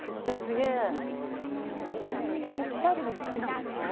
結構鍛えるのも好きなんですか。